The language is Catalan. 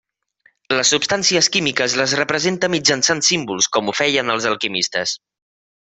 Les substàncies químiques les representa mitjançant símbols com ho feien els alquimistes.